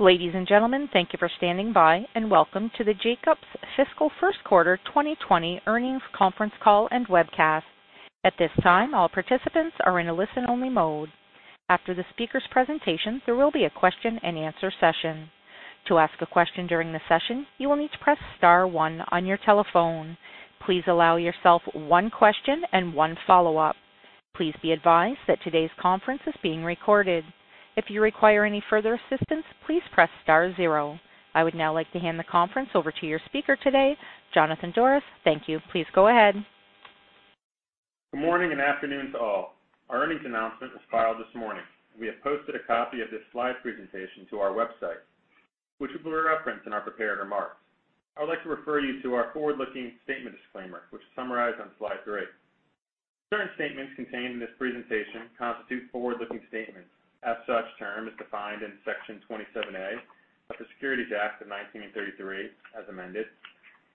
Ladies and gentlemen, thank you for standing by and Welcome to the Jacobs fiscal first quarter 2020 earnings conference call and webcast. At this time, all participants are in a listen-only mode. After the speaker's presentation, there will be a question-and-answer session. To ask a question during the session, you will need to press star one on your telephone. Please allow yourself one question and one follow-up. Please be advised that today's conference is being recorded. If you require any further assistance, please press star zero. I would now like to hand the conference over to your speaker today, Jonathan Doros. Thank you. Please go ahead. Good morning and afternoon to all. Our earnings announcement was filed this morning. We have posted a copy of this slide presentation to our website, which will be referenced in our prepared remarks. I would like to refer you to our forward-looking statement disclaimer, which is summarized on slide three. Certain statements contained in this presentation constitute forward-looking statements. As such, the term is defined in Section 27A of the Securities Act of 1933, as amended,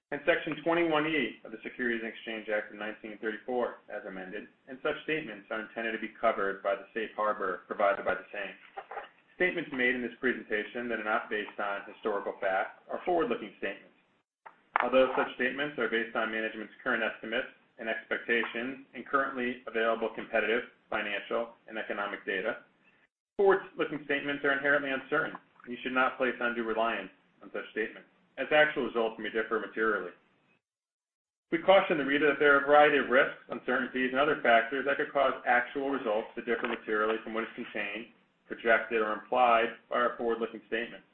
and Section 21E of the Securities and Exchange Act of 1934, as amended. And such statements are intended to be covered by the safe harbor provided by the same. Statements made in this presentation that are not based on historical facts are forward-looking statements. Although such statements are based on management's current estimates and expectations and currently available competitive financial and economic data, forward-looking statements are inherently uncertain, and you should not place undue reliance on such statements, as actual results may differ materially. We caution the reader that there are a variety of risks, uncertainties, and other factors that could cause actual results to differ materially from what is contained, projected, or implied by our forward-looking statements.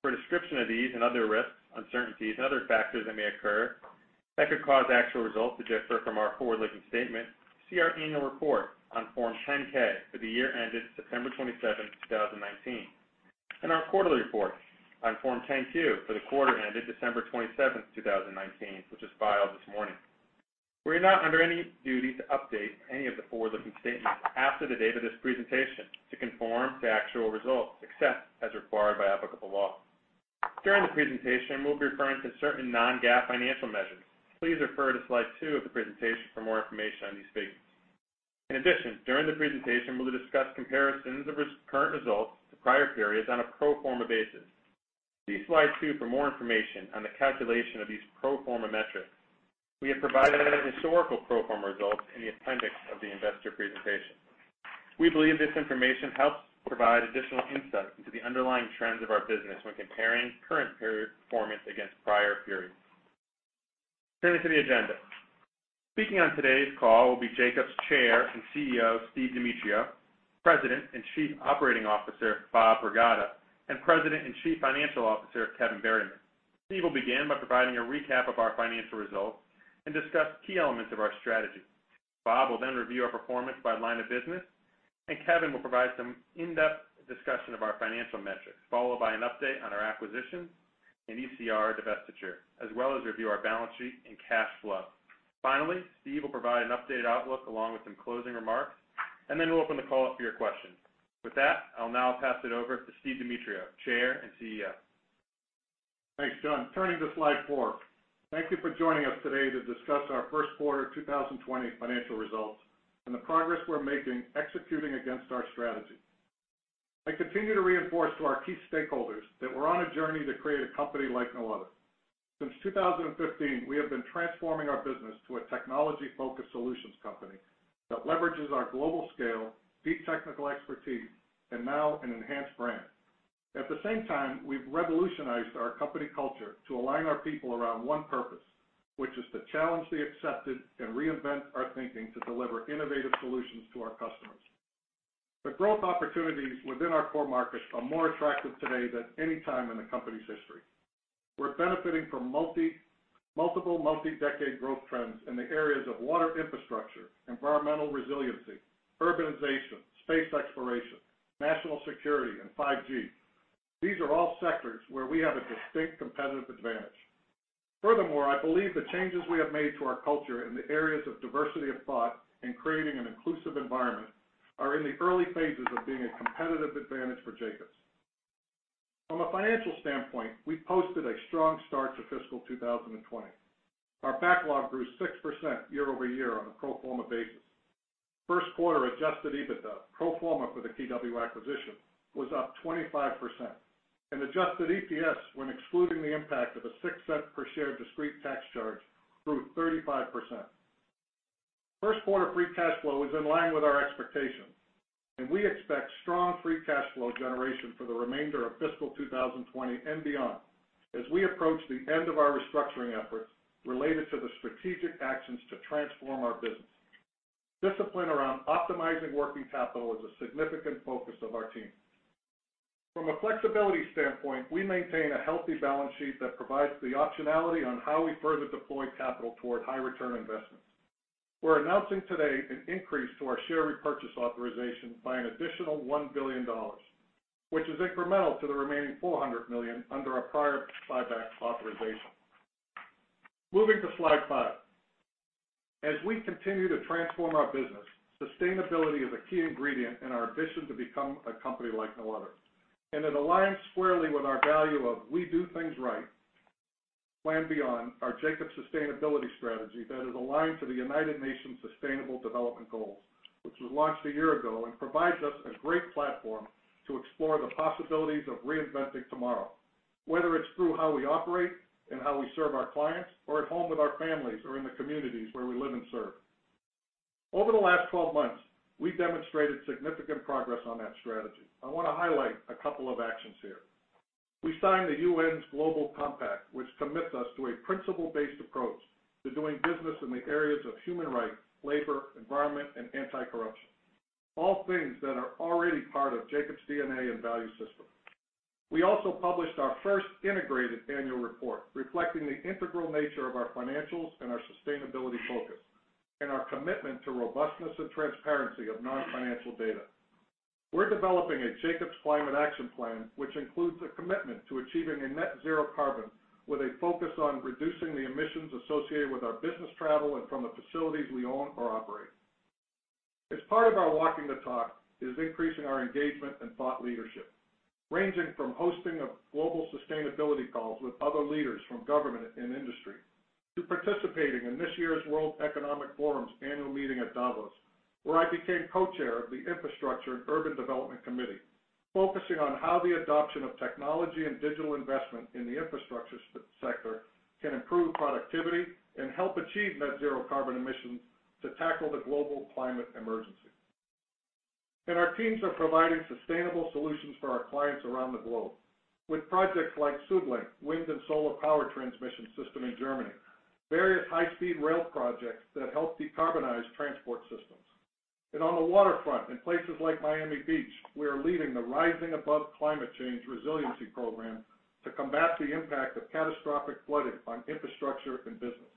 For a description of these and other risks, uncertainties, and other factors that may occur that could cause actual results to differ from our forward-looking statement, see our annual report on Form 10-K for the year ended September 27, 2019, and our quarterly report on Form 10-Q for the quarter ended December 27, 2019, which was filed this morning. We are not under any duty to update any of the forward-looking statements after the date of this presentation to conform to actual results, except as required by applicable law. During the presentation, we'll be referring to certain non-GAAP financial measures. Please refer to slide two of the presentation for more information on these figures. In addition, during the presentation, we'll discuss comparisons of current results to prior periods on a pro forma basis. See slide two for more information on the calculation of these pro forma metrics. We have provided historical pro forma results in the appendix of the investor presentation. We believe this information helps provide additional insight into the underlying trends of our business when comparing current performance against prior periods. Turning to the agenda. Speaking on today's call will be Jacobs Chair and CEO Steve Demetriou, President and Chief Operating Officer Bob Pragada, and President and Chief Financial Officer Kevin Berryman. Steve will begin by providing a recap of our financial results and discuss key elements of our strategy. Bob will then review our performance by line of business, and Kevin will provide some in-depth discussion of our financial metrics, followed by an update on our acquisitions and ECR divestiture, as well as review our balance sheet and cash flow. Finally, Steve will provide an updated outlook along with some closing remarks, and then we'll open the call up for your questions. With that, I'll now pass it over to Steve Demetriou, Chair and CEO. Thanks, John. Turning to slide four, thank you for joining us today to discuss our first quarter 2020 financial results and the progress we're making executing against our strategy. I continue to reinforce to our key stakeholders that we're on a journey to create a company like no other. Since 2015, we have been transforming our business to a technology-focused solutions company that leverages our global scale, deep technical expertise, and now an enhanced brand. At the same time, we've revolutionized our company culture to align our people around one purpose, which is to challenge the accepted and reinvent our thinking to deliver innovative solutions to our customers. The growth opportunities within our core markets are more attractive today than any time in the company's history. We're benefiting from multiple, multi-decade growth trends in the areas of water infrastructure, environmental resiliency, urbanization, space exploration, national security, and 5G. These are all sectors where we have a distinct competitive advantage. Furthermore, I believe the changes we have made to our culture in the areas of diversity of thought and creating an inclusive environment are in the early phases of being a competitive advantage for Jacobs. From a financial standpoint, we posted a strong start to fiscal 2020. Our backlog grew 6% year-over-year on a pro forma basis. First quarter Adjusted EBITDA, pro forma for the KeyW acquisition, was up 25%, and Adjusted EPS, when excluding the impact of a $0.06 per share discrete tax charge, grew 35%. First quarter Free Cash Flow is in line with our expectations, and we expect strong Free Cash Flow generation for the remainder of fiscal 2020 and beyond as we approach the end of our restructuring efforts related to the strategic actions to transform our business. Discipline around optimizing working capital is a significant focus of our team. From a flexibility standpoint, we maintain a healthy balance sheet that provides the optionality on how we further deploy capital toward high-return investments. We're announcing today an increase to our share repurchase authorization by an additional $1 billion, which is incremental to the remaining $400 million under a prior buyback authorization. Moving to slide five. As we continue to transform our business, sustainability is a key ingredient in our ambition to become a company like no other. And it aligns squarely with our value of "We do things right, PlanBeyond," our Jacobs Sustainability Strategy that is aligned to the United Nations Sustainable Development Goals, which was launched a year ago and provides us a great platform to explore the possibilities of reinventing tomorrow, whether it's through how we operate and how we serve our clients or at home with our families or in the communities where we live and serve. Over the last 12 months, we've demonstrated significant progress on that strategy. I want to highlight a couple of actions here. We signed the UN's Global Compact, which commits us to a principle-based approach to doing business in the areas of human rights, labor, environment, and anti-corruption, all things that are already part of Jacobs' DNA and value system. We also published our first integrated annual report reflecting the integral nature of our financials and our sustainability focus and our commitment to robustness and transparency of non-financial data. We're developing a Jacobs Climate Action Plan, which includes a commitment to achieving a net zero carbon with a focus on reducing the emissions associated with our business travel and from the facilities we own or operate. As part of our walking the talk, is increasing our engagement and thought leadership, ranging from hosting of global sustainability calls with other leaders from government and industry to participating in this year's World Economic Forum's annual meeting at Davos, where I became co-chair of the Infrastructure and Urban Development Committee, focusing on how the adoption of technology and digital investment in the infrastructure sector can improve productivity and help achieve net zero carbon emissions to tackle the global climate emergency. And our teams are providing sustainable solutions for our clients around the globe with projects like SuedLink, wind and solar power transmission system in Germany, various high-speed rail projects that help decarbonize transport systems. And on the waterfront, in places like Miami Beach, we are leading the Rising Above Climate Change Resiliency Program to combat the impact of catastrophic flooding on infrastructure and business.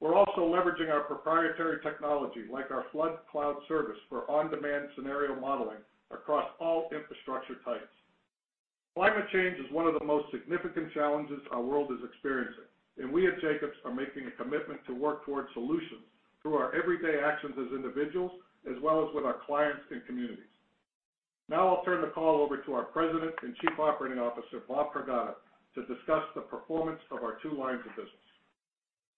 We're also leveraging our proprietary technology, like our Flood Cloud Service, for on-demand scenario modeling across all infrastructure types. Climate change is one of the most significant challenges our world is experiencing, and we at Jacobs are making a commitment to work toward solutions through our everyday actions as individuals as well as with our clients and communities. Now I'll turn the call over to our President and Chief Operating Officer, Bob Pragada, to discuss the performance of our two lines of business.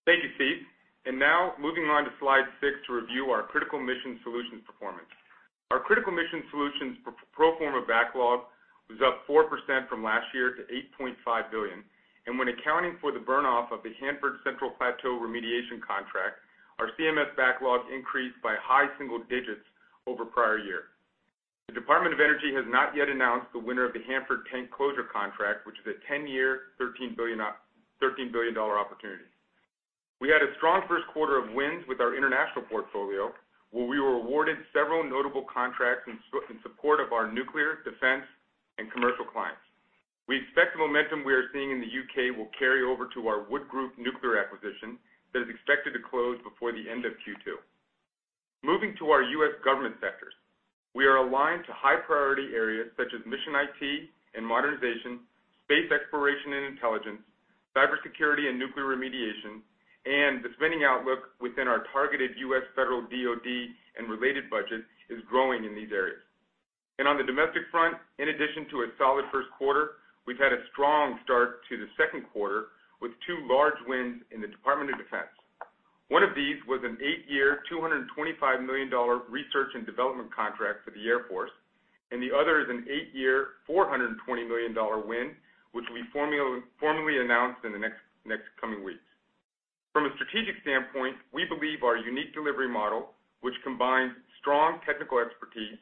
Thank you, Steve. And now moving on to slide six to review our critical mission solutions performance. Our critical mission solutions pro forma backlog was up 4% from last year to $8.5 billion. And when accounting for the burn-off of the Hanford Central Plateau Remediation Contract, our CMS backlog increased by high single digits over prior years. The Department of Energy has not yet announced the winner of the Hanford Tank Closure Contract, which is a 10-year, $13 billion opportunity. We had a strong first quarter of wins with our international portfolio, where we were awarded several notable contracts in support of our nuclear, defense, and commercial clients. We expect the momentum we are seeing in the U.K. will carry over to our Wood Group nuclear acquisition that is expected to close before the end of Q2. Moving to our U.S. government sectors, we are aligned to high-priority areas such as mission IT and modernization, space exploration and intelligence, cybersecurity and nuclear remediation, and the spending outlook within our targeted U.S. Federal DoD and related budget is growing in these areas. And on the domestic front, in addition to a solid first quarter, we've had a strong start to the second quarter with two large wins in the Department of Defense. One of these was an eight-year, $225 million research and development contract for the Air Force, and the other is an eight-year, $420 million win, which will be formally announced in the next coming weeks. From a strategic standpoint, we believe our unique delivery model, which combines strong technical expertise,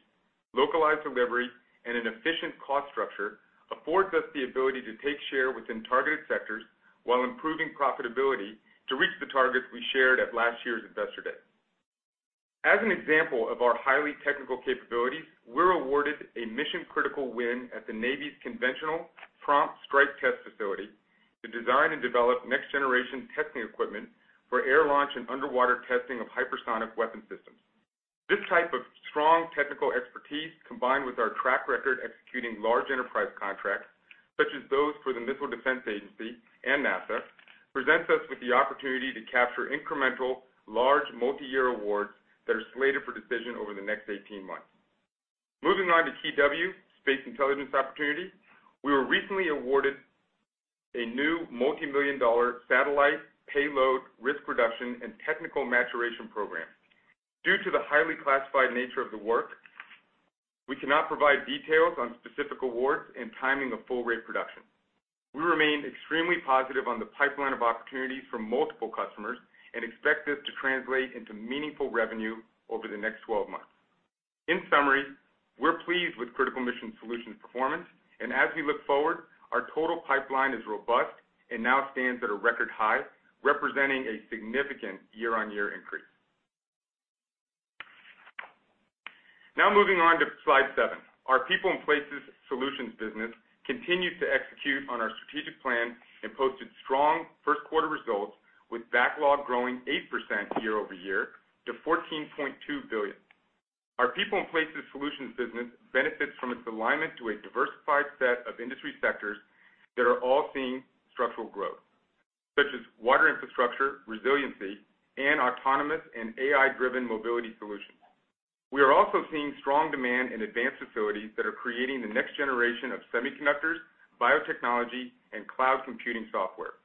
localized delivery, and an efficient cost structure, affords us the ability to take share within targeted sectors while improving profitability to reach the targets we shared at last year's investor day. As an example of our highly technical capabilities, we're awarded a mission-critical win at the Navy's Conventional Prompt Strike test facility to design and develop next-generation testing equipment for air launch and underwater testing of hypersonic weapon systems. This type of strong technical expertise, combined with our track record executing large enterprise contracts, such as those for the Missile Defense Agency and NASA, presents us with the opportunity to capture incremental large multi-year awards that are slated for decision over the next 18 months. Moving on to KeyW, space intelligence opportunity, we were recently awarded a new multi-million dollar satellite payload risk reduction and technical maturation program. Due to the highly classified nature of the work, we cannot provide details on specific awards and timing of full rate production. We remain extremely positive on the pipeline of opportunities for multiple customers and expect this to translate into meaningful revenue over the next 12 months. In summary, we're pleased with critical mission solutions performance, and as we look forward, our total pipeline is robust and now stands at a record high, representing a significant year-on-year increase. Now moving on to slide seven, our People and Places Solutions business continues to execute on our strategic plan and posted strong first quarter results with backlog growing 8% year-over-year to $14.2 billion. Our People and Places Solutions business benefits from its alignment to a diversified set of industry sectors that are all seeing structural growth, such as water infrastructure, resiliency, and autonomous and AI-driven mobility solutions. We are also seeing strong demand in advanced facilities that are creating the next generation of semiconductors, biotechnology, and cloud computing software.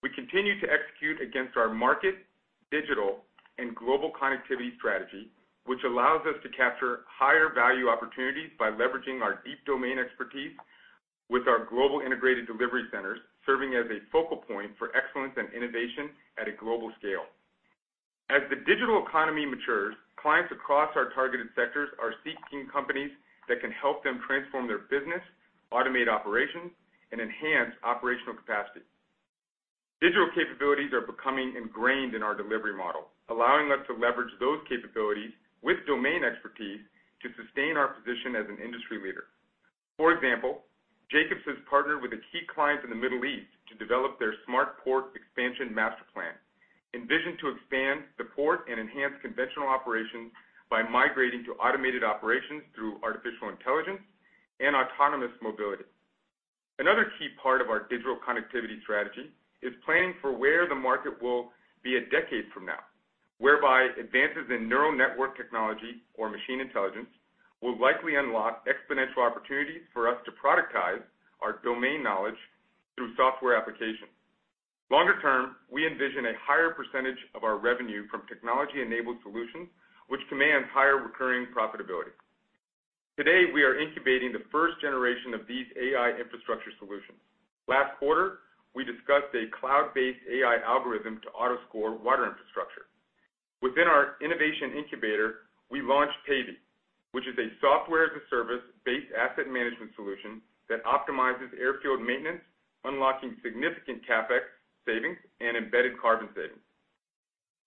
We continue to execute against our market, digital, and global connectivity strategy, which allows us to capture higher value opportunities by leveraging our deep domain expertise with our global integrated delivery centers, serving as a focal point for excellence and innovation at a global scale. As the digital economy matures, clients across our targeted sectors are seeking companies that can help them transform their business, automate operations, and enhance operational capacity. Digital capabilities are becoming ingrained in our delivery model, allowing us to leverage those capabilities with domain expertise to sustain our position as an industry leader. For example, Jacobs has partnered with a key client in the Middle East to develop their smart port expansion master plan, envisioned to expand the port and enhance conventional operations by migrating to automated operations through artificial intelligence and autonomous mobility. Another key part of our digital connectivity strategy is planning for where the market will be a decade from now, whereby advances in neural network technology or machine intelligence will likely unlock exponential opportunities for us to productize our domain knowledge through software applications. Longer term, we envision a higher percentage of our revenue from technology-enabled solutions, which commands higher recurring profitability. Today, we are incubating the first generation of these AI infrastructure solutions. Last quarter, we discussed a cloud-based AI algorithm to autoscore water infrastructure. Within our innovation incubator, we launched Pavy, which is a software-as-a-service-based asset management solution that optimizes airfield maintenance, unlocking significant CapEx savings and embedded carbon savings.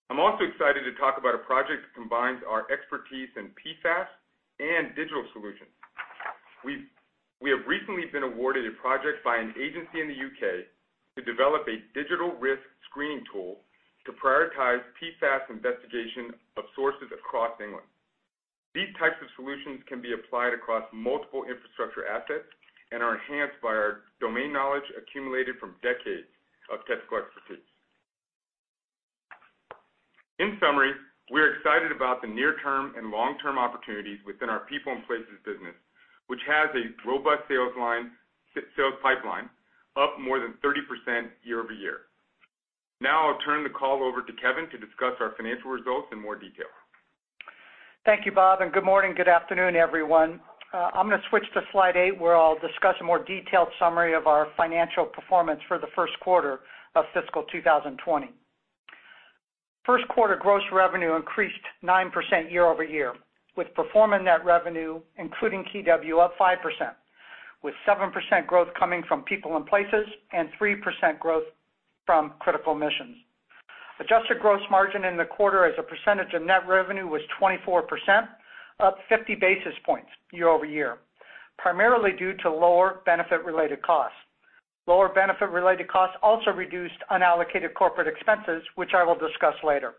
I'm also excited to talk about a project that combines our expertise in PFAS and digital solutions. We have recently been awarded a project by an agency in the U.K. to develop a digital risk screening tool to prioritize PFAS investigation of sources across England. These types of solutions can be applied across multiple infrastructure assets and are enhanced by our domain knowledge accumulated from decades of technical expertise. In summary, we're excited about the near-term and long-term opportunities within our People and Places business, which has a robust sales pipeline up more than 30% year-over-year. Now I'll turn the call over to Kevin to discuss our financial results in more detail. Thank you, Bob, and good morning, good afternoon, everyone. I'm going to switch to slide eight, where I'll discuss a more detailed summary of our financial performance for the first quarter of fiscal 2020. First quarter gross revenue increased 9% year-over-year, with performance net revenue, including KeyW, up 5%, with 7% growth coming from People and Places and 3% growth from critical missions. Adjusted gross margin in the quarter as a percentage of net revenue was 24%, up 50 basis points year-over-year, primarily due to lower benefit-related costs. Lower benefit-related costs also reduced unallocated corporate expenses, which I will discuss later.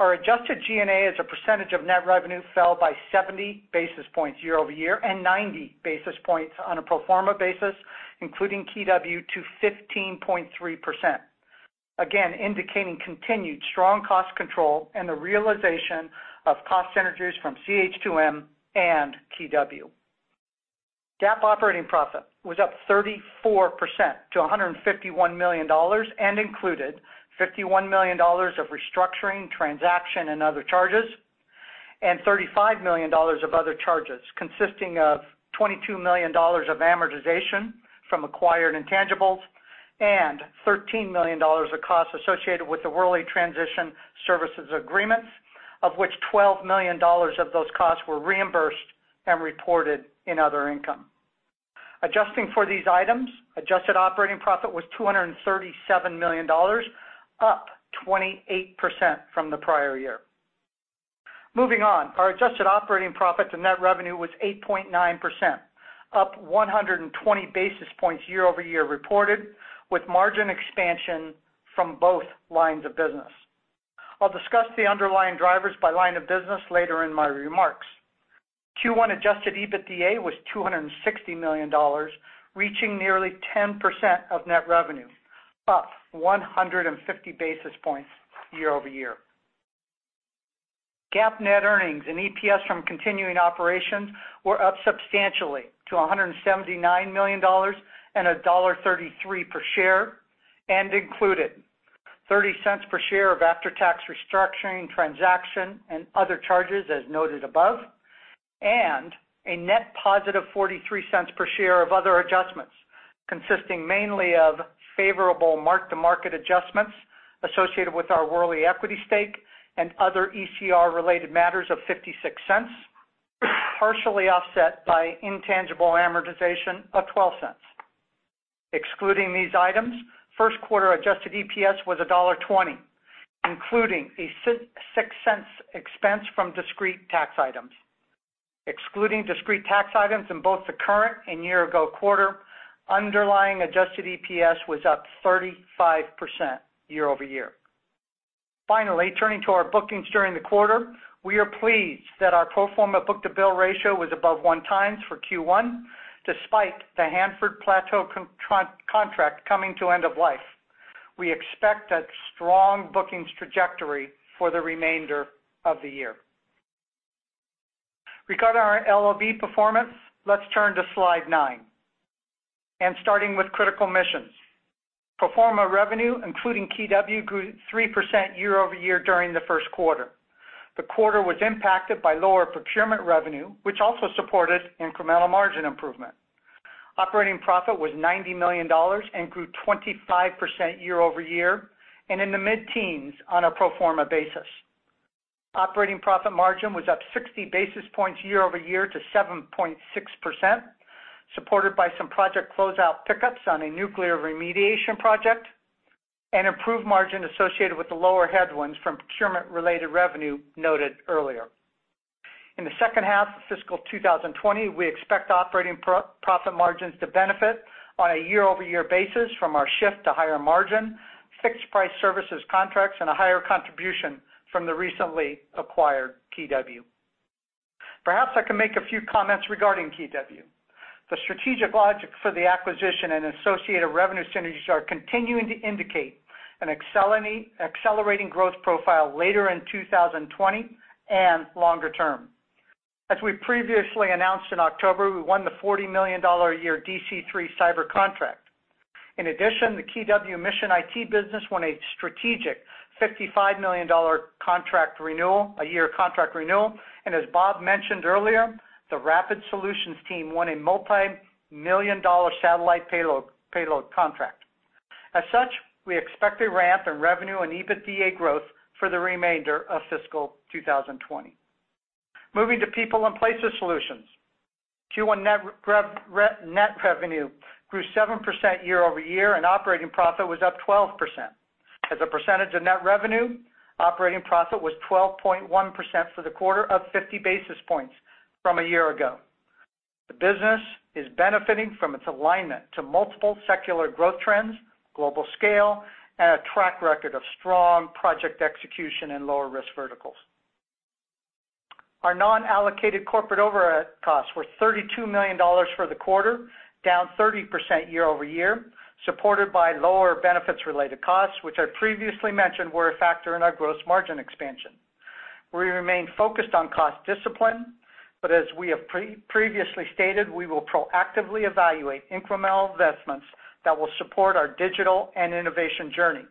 Our adjusted G&A as a percentage of net revenue fell by 70 basis points year-over-year and 90 basis points on a pro forma basis, including KeyW, to 15.3%, again indicating continued strong cost control and the realization of cost synergies from CH2M and KeyW. GAAP operating profit was up 34% to $151 million and included $51 million of restructuring transaction and other charges and $35 million of other charges, consisting of $22 million of amortization from acquired intangibles and $13 million of costs associated with the Worley Transition Services Agreements, of which $12 million of those costs were reimbursed and reported in other income. Adjusting for these items, adjusted operating profit was $237 million, up 28% from the prior year. Moving on, our adjusted operating profit to net revenue was 8.9%, up 120 basis points year-over-year reported, with margin expansion from both lines of business. I'll discuss the underlying drivers by line of business later in my remarks. Q1 Adjusted EBITDA was $260 million, reaching nearly 10% of net revenue, up 150 basis points year-over-year. GAAP net earnings and EPS from continuing operations were up substantially to $179 million and $1.33 per share and included $0.30 per share of after-tax restructuring transaction and other charges, as noted above, and a net positive $0.43 per share of other adjustments, consisting mainly of favorable mark-to-market adjustments associated with our Worley equity stake and other ECR-related matters of $0.56, partially offset by intangible amortization of $0.12. Excluding these items, first quarter adjusted EPS was $1.20, including a $0.06 expense from discrete tax items. Excluding discrete tax items in both the current and year-ago quarter, underlying adjusted EPS was up 35% year-over-year. Finally, turning to our bookings during the quarter, we are pleased that our pro forma book-to-bill ratio was above one times for Q1, despite the Hanford Plateau contract coming to end of life. We expect a strong bookings trajectory for the remainder of the year. Regarding our LOV performance, let's turn to slide nine. And starting with critical missions, pro forma revenue, including KeyW, grew 3% year-over-year during the first quarter. The quarter was impacted by lower procurement revenue, which also supported incremental margin improvement. Operating profit was $90 million and grew 25% year-over-year and in the mid-teens on a pro forma basis. Operating profit margin was up 60 basis points year-over-year to 7.6%, supported by some project closeout pickups on a nuclear remediation project and improved margin associated with the lower headwinds from procurement-related revenue noted earlier. In the second half of fiscal 2020, we expect operating profit margins to benefit on a year-over-year basis from our shift to higher margin, fixed-price services contracts, and a higher contribution from the recently acquired KeyW. Perhaps I can make a few comments regarding KeyW. The strategic logic for the acquisition and associated revenue synergies are continuing to indicate an accelerating growth profile later in 2020 and longer term. As we previously announced in October, we won the $40 million a year DC3 Cyber Contract. In addition, the KeyW mission IT business won a strategic $55 million contract renewal, a year contract renewal, and as Bob mentioned earlier, the Rapid Solutions team won a multi-million dollar satellite payload contract. As such, we expect a ramp in revenue and EBITDA growth for the remainder of fiscal 2020. Moving to People and Places Solutions, Q1 net revenue grew 7% year-over-year and operating profit was up 12%. As a percentage of net revenue, operating profit was 12.1% for the quarter, up 50 basis points from a year ago. The business is benefiting from its alignment to multiple secular growth trends, global scale, and a track record of strong project execution in lower risk verticals. Our non-allocated corporate overhead costs were $32 million for the quarter, down 30% year-over-year, supported by lower benefits-related costs, which I previously mentioned were a factor in our gross margin expansion. We remain focused on cost discipline, but as we have previously stated, we will proactively evaluate incremental investments that will support our digital and innovation journey.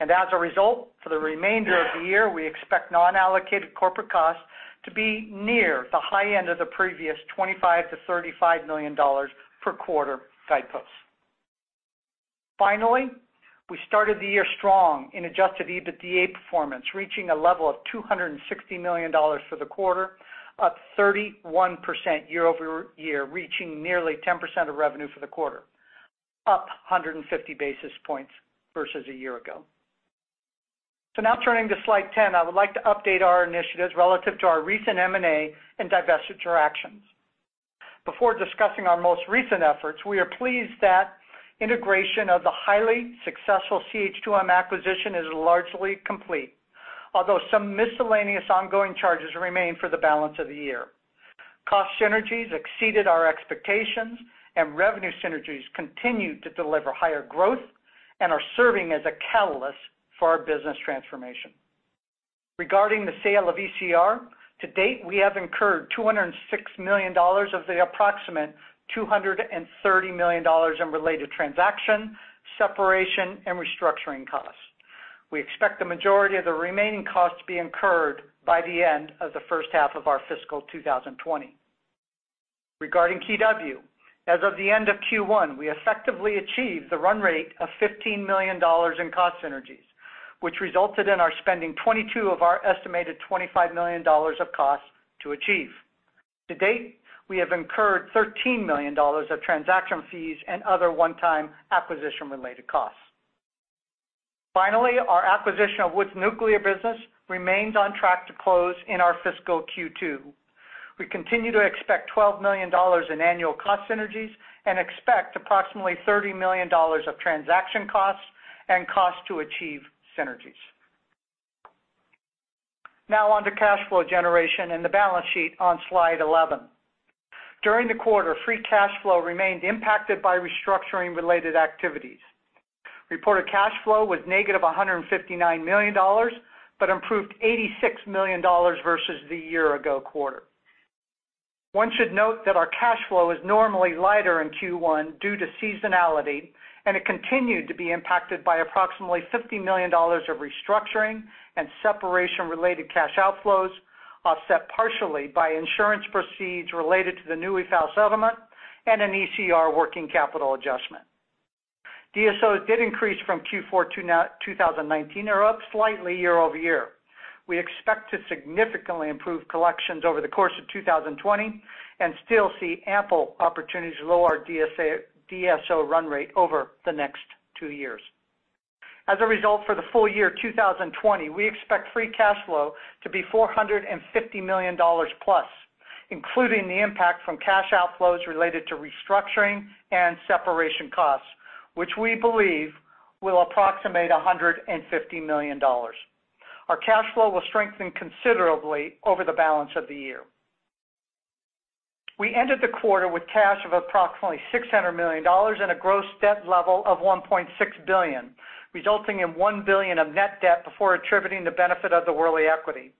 As a result, for the remainder of the year, we expect non-allocated corporate costs to be near the high end of the previous $25 million-$35 million per quarter guideposts. Finally, we started the year strong in adjusted EBITDA performance, reaching a level of $260 million for the quarter, up 31% year-over-year, reaching nearly 10% of revenue for the quarter, up 150 basis points versus a year ago. Now turning to slide 10, I would like to update our initiatives relative to our recent M&A and divestiture actions. Before discussing our most recent efforts, we are pleased that integration of the highly successful CH2M acquisition is largely complete, although some miscellaneous ongoing charges remain for the balance of the year. Cost synergies exceeded our expectations, and revenue synergies continue to deliver higher growth and are serving as a catalyst for our business transformation. Regarding the sale of ECR, to date, we have incurred $206 million of the approximate $230 million in related transaction, separation, and restructuring costs. We expect the majority of the remaining costs to be incurred by the end of the first half of our fiscal 2020. Regarding KeyW, as of the end of Q1, we effectively achieved the run rate of $15 million in cost synergies, which resulted in our spending $22 of our estimated $25 million of costs to achieve. To date, we have incurred $13 million of transaction fees and other one-time acquisition-related costs. Finally, our acquisition of Wood's Nuclear Business remains on track to close in our fiscal Q2. We continue to expect $12 million in annual cost synergies and expect approximately $30 million of transaction costs and costs to achieve synergies. Now on to cash flow generation and the balance sheet on slide 11. During the quarter, free cash flow remained impacted by restructuring-related activities. Reported cash flow was -$159 million, but improved $86 million versus the year-ago quarter. One should note that our cash flow is normally lighter in Q1 due to seasonality, and it continued to be impacted by approximately $50 million of restructuring and separation-related cash outflows, offset partially by insurance proceeds related to the newly filed settlement and an ECR working capital adjustment. DSOs did increase from Q4 2019, or up slightly year-over-year. We expect to significantly improve collections over the course of 2020 and still see ample opportunities to lower our DSO run rate over the next two years. As a result, for the full year 2020, we expect free cash flow to be $450 million plus, including the impact from cash outflows related to restructuring and separation costs, which we believe will approximate $150 million. Our cash flow will strengthen considerably over the balance of the year. We ended the quarter with cash of approximately $600 million and a gross debt level of $1.6 billion, resulting in $1 billion of net debt before attributing the benefit of the Worley equity.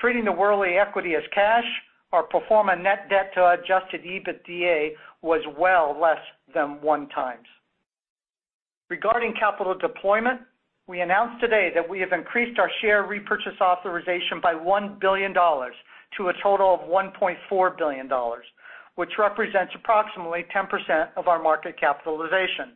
Treating the Worley equity as cash, our pro forma net debt to adjusted EBITDA was well less than one times. Regarding capital deployment, we announced today that we have increased our share repurchase authorization by $1 billion to a total of $1.4 billion, which represents approximately 10% of our market capitalization.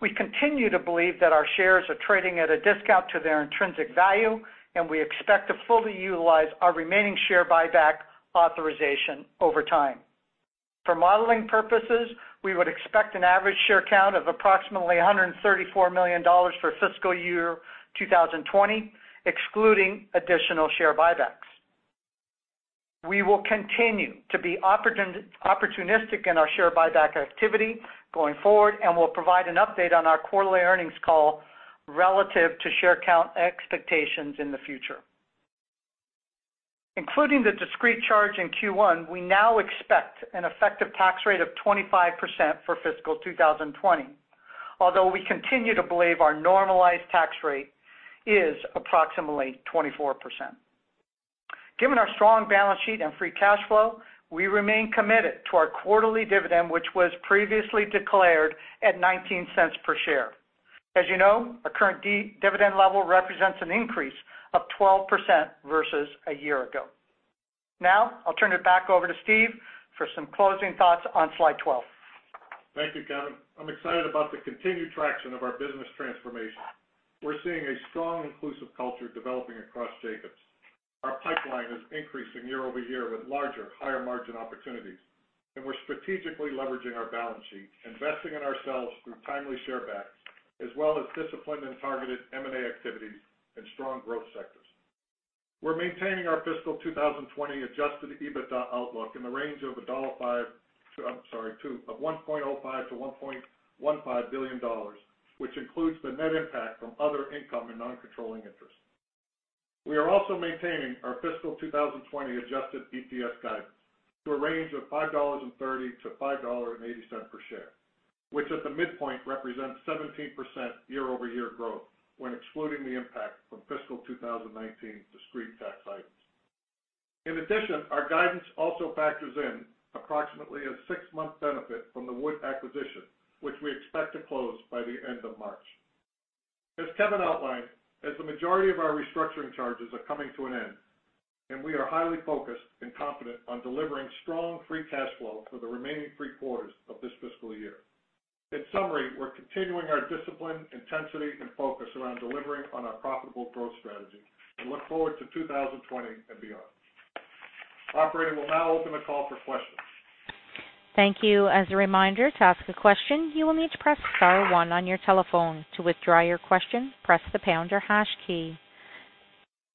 We continue to believe that our shares are trading at a discount to their intrinsic value, and we expect to fully utilize our remaining share buyback authorization over time. For modeling purposes, we would expect an average share count of approximately $134 million for fiscal year 2020, excluding additional share buybacks. We will continue to be opportunistic in our share buyback activity going forward and will provide an update on our quarterly earnings call relative to share count expectations in the future. Including the discrete charge in Q1, we now expect an effective tax rate of 25% for fiscal 2020, although we continue to believe our normalized tax rate is approximately 24%. Given our strong balance sheet and free cash flow, we remain committed to our quarterly dividend, which was previously declared at $0.19 per share. As you know, our current dividend level represents an increase of 12% versus a year ago. Now I'll turn it back over to Steve for some closing thoughts on slide 12. Thank you, Kevin. I'm excited about the continued traction of our business transformation. We're seeing a strong, inclusive culture developing across Jacobs. Our pipeline is increasing year-over-year with larger, higher margin opportunities, and we're strategically leveraging our balance sheet, investing in ourselves through timely share backs, as well as disciplined and targeted M&A activities and strong growth sectors. We're maintaining our fiscal 2020 Adjusted EBITDA outlook in the range of $1.05 billion-$1.15 billion, which includes the net impact from other income and non-controlling interest. We are also maintaining our fiscal 2020 adjusted EPS guidance to a range of $5.30-$5.80 per share, which at the midpoint represents 17% year-over-year growth when excluding the impact from fiscal 2019 discrete tax items. In addition, our guidance also factors in approximately a six-month benefit from the Wood's acquisition, which we expect to close by the end of March. As Kevin outlined, as the majority of our restructuring charges are coming to an end, and we are highly focused and confident on delivering strong free cash flow for the remaining three quarters of this fiscal year. In summary, we're continuing our discipline, intensity, and focus around delivering on our profitable growth strategy and look forward to 2020 and beyond. Operator will now open the call for questions. Thank you. As a reminder, to ask a question, you will need to press star one on your telephone. To withdraw your question, press the pound or hash key.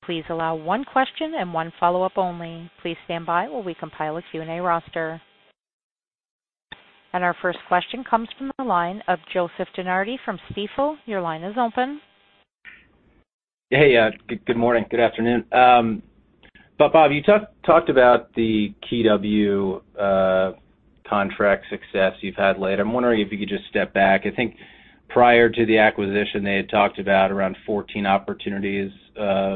Please allow one question and one follow-up only. Please stand by while we compile a Q&A roster, and our first question comes from the line of Joseph DeNardi from Stifel. Your line is open. Hey, good morning. Good afternoon. Bob, you talked about the KeyW contract success you've had later. I'm wondering if you could just step back. I think prior to the acquisition, they had talked about around 14 opportunities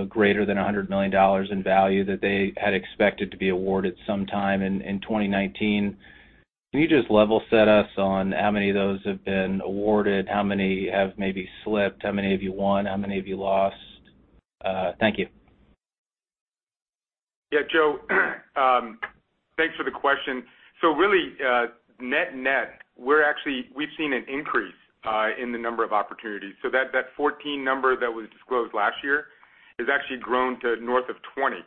greater than $100 million in value that they had expected to be awarded sometime in 2019. Can you just level set us on how many of those have been awarded? How many have maybe slipped? How many have you won? How many have you lost? Thank you. Yeah, Joe, thanks for the question. So really, net net, we've seen an increase in the number of opportunities. So that 14 number that was disclosed last year has actually grown to north of 20.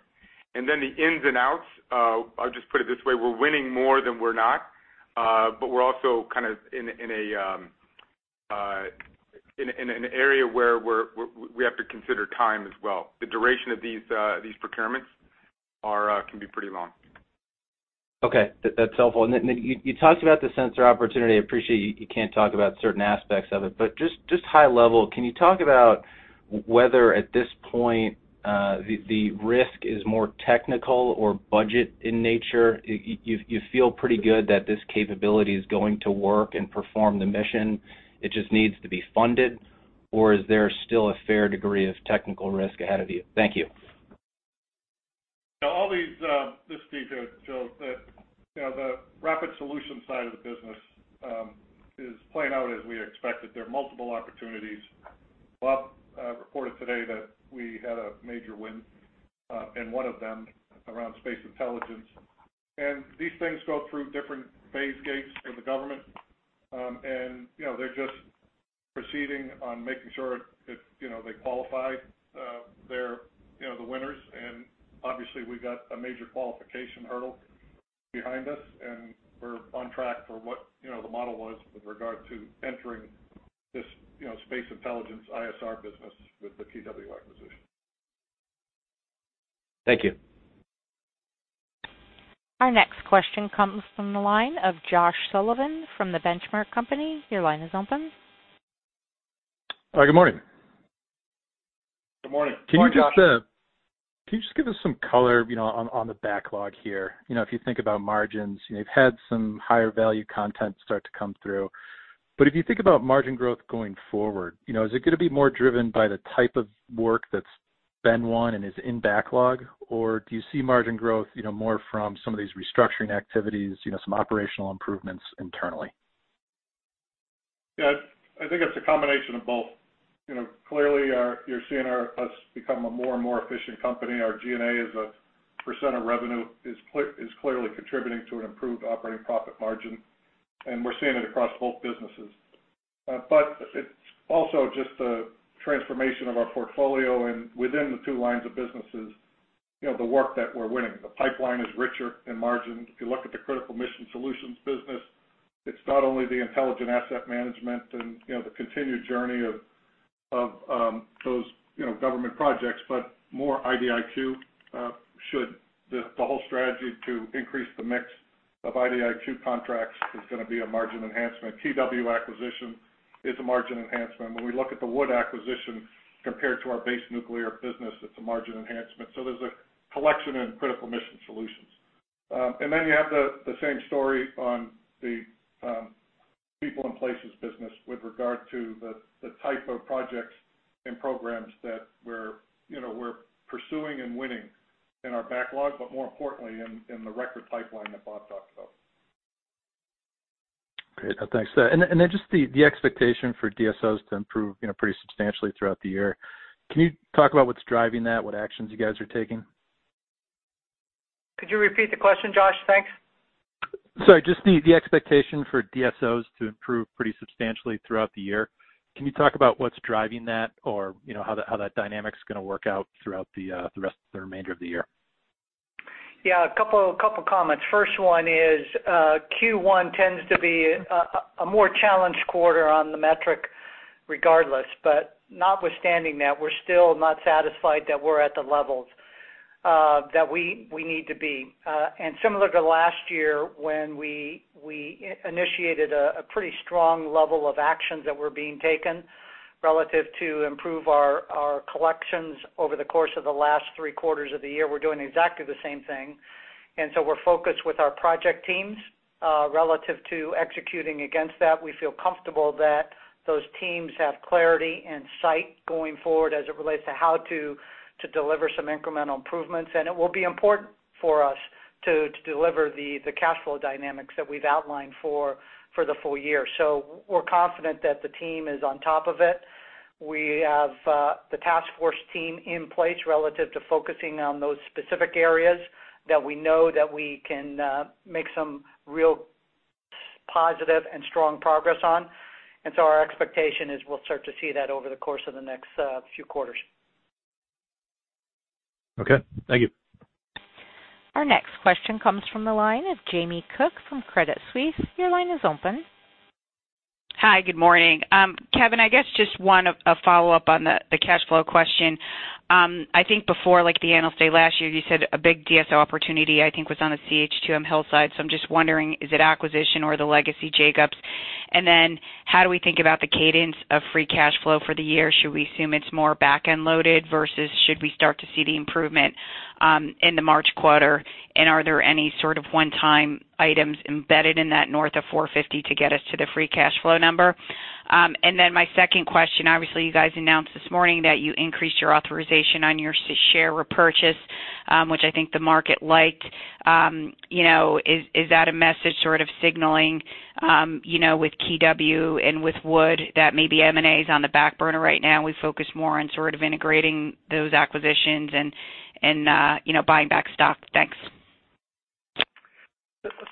And then the ins and outs, I'll just put it this way, we're winning more than we're not, but we're also kind of in an area where we have to consider time as well. The duration of these procurements can be pretty long. Okay. That's helpful. And then you talked about the sensor opportunity. I appreciate you can't talk about certain aspects of it, but just high level, can you talk about whether at this point the risk is more technical or budget in nature? You feel pretty good that this capability is going to work and perform the mission. It just needs to be funded, or is there still a fair degree of technical risk ahead of you? Thank you. All these this week, Joseph, that the Rapid Solutions side of the business is playing out as we expected. There are multiple opportunities. Bob reported today that we had a major win, and one of them around space intelligence. And these things go through different phase gates for the government, and they're just proceeding on making sure they qualify the winners. And obviously, we've got a major qualification hurdle behind us, and we're on track for what the model was with regard to entering this space intelligence ISR business with the KeyW acquisition. Thank you. Our next question comes from the line of Josh Sullivan from the Benchmark Company. Your line is open. Good morning. Good morning. Josh, Can you just give us some color on the backlog here? If you think about margins, they've had some higher value content start to come through. But if you think about margin growth going forward, is it going to be more driven by the type of work that's been won and is in backlog, or do you see margin growth more from some of these restructuring activities, some operational improvements internally? Yeah, I think it's a combination of both. Clearly, you're seeing us become a more and more efficient company. Our G&A as a % of revenue is clearly contributing to an improved operating profit margin, and we're seeing it across both businesses. But it's also just the transformation of our portfolio and within the two lines of businesses, the work that we're winning. The pipeline is richer in margin. If you look at the critical mission solutions business, it's not only the intelligent asset management and the continued journey of those government projects, but more IDIQs, the whole strategy to increase the mix of IDIQ contracts is going to be a margin enhancement. KeyW acquisition is a margin enhancement. When we look at the Wood's acquisition compared to our base nuclear business, it's a margin enhancement. So there's an accretion in critical mission solutions. And then you have the same story on the people and places business with regard to the type of projects and programs that we're pursuing and winning in our backlog, but more importantly, in the record pipeline that Bob talked about. Great. Thanks. And then just the expectation for DSOs to improve pretty substantially throughout the year. Can you talk about what's driving that, what actions you guys are taking? Could you repeat the question, Josh? Thanks. Sorry. Just the expectation for DSOs to improve pretty substantially throughout the year. Can you talk about what's driving that or how that dynamic is going to work out throughout the remainder of the year? Yeah, a couple of comments. First one is Q1 tends to be a more challenged quarter on the metric regardless, but notwithstanding that, we're still not satisfied that we're at the levels that we need to be. And similar to last year when we initiated a pretty strong level of actions that were being taken relative to improve our collections over the course of the last three quarters of the year, we're doing exactly the same thing. And so we're focused with our project teams relative to executing against that. We feel comfortable that those teams have clarity in sight going forward as it relates to how to deliver some incremental improvements, and it will be important for us to deliver the cash flow dynamics that we've outlined for the full year. So we're confident that the team is on top of it. We have the task force team in place relative to focusing on those specific areas that we know that we can make some real positive and strong progress on. And so our expectation is we'll start to see that over the course of the next few quarters. Okay. Thank you. Our next question comes from the line of Jamie Cook from Credit Suisse. Your line is open. Hi, good morning. Kevin, I guess just one follow-up on the cash flow question. I think before the annual state last year, you said a big DSO opportunity I think was on the CH2M HILL side. So I'm just wondering, is it acquisition or the legacy Jacobs? And then how do we think about the cadence of Free Cash Flow for the year? Should we assume it's more back-end loaded versus should we start to see the improvement in the March quarter? And are there any sort of one-time items embedded in that north of 450 to get us to the free cash flow number? And then my second question, obviously, you guys announced this morning that you increased your authorization on your share repurchase, which I think the market liked. Is that a message sort of signaling with KeyW and with Wood that maybe M&A is on the back burner right now? We focus more on sort of integrating those acquisitions and buying back stock. Thanks.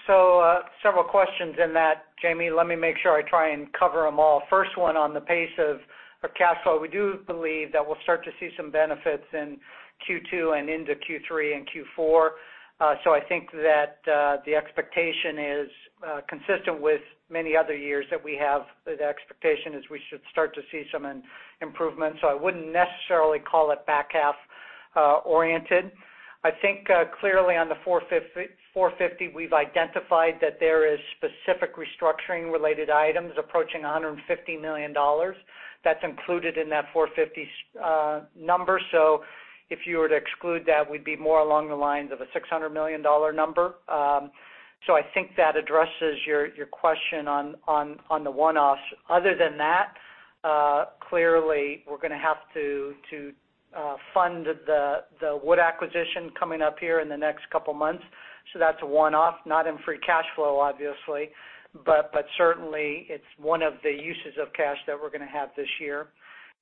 So several questions in that, Jamie. Let me make sure I try and cover them all. First one on the pace of cash flow. We do believe that we'll start to see some benefits in Q2 and into Q3 and Q4. So I think that the expectation is consistent with many other years that we have. The expectation is we should start to see some improvements. So I wouldn't necessarily call it back half oriented. I think clearly on the $450 million, we've identified that there is specific restructuring-related items approaching $150 million. That's included in that $450 million number. So if you were to exclude that, we'd be more along the lines of a $600 million number. So I think that addresses your question on the one-offs. Other than that, clearly, we're going to have to fund the Wood's acquisition coming up here in the next couple of months. So that's a one-off, not in free cash flow, obviously, but certainly it's one of the uses of cash that we're going to have this year.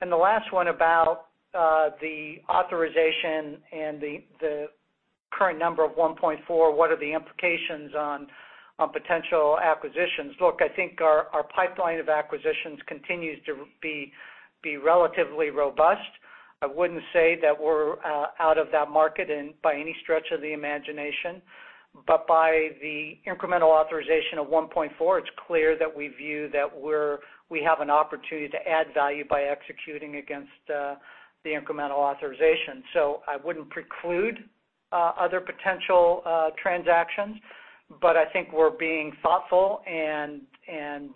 And the last one about the authorization and the current number of 1.4, what are the implications on potential acquisitions? Look, I think our pipeline of acquisitions continues to be relatively robust. I wouldn't say that we're out of that market by any stretch of the imagination, but by the incremental authorization of 1.4, it's clear that we view that we have an opportunity to add value by executing against the incremental authorization. So I wouldn't preclude other potential transactions, but I think we're being thoughtful and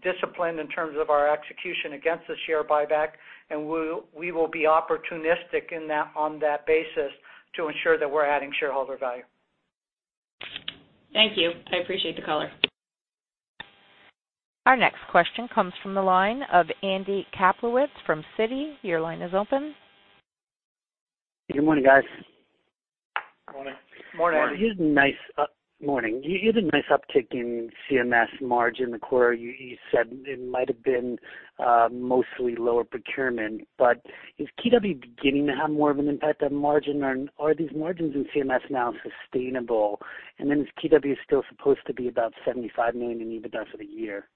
disciplined in terms of our execution against the share buyback, and we will be opportunistic on that basis to ensure that we're adding shareholder value. Thank you. I appreciate the caller. Our next question comes from the line of Andrew Kaplowitz from Citi. Your line is open. Good morning, guys. Good morning. Good morning. You had a nice uptick in CMS margin the quarter. You said it might have been mostly lower procurement, but is KeyW beginning to have more of an impact on margin, or are these margins in CMS now sustainable? And then is KeyW still supposed to be about $75 million in EBITDA for the year?